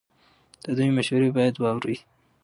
د دوی مشورې باید واورئ.